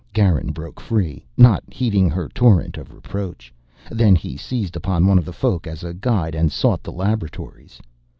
Garin broke free, not heeding her torrent of reproach. Then he seized upon one of the Folk as a guide and sought the laboratories.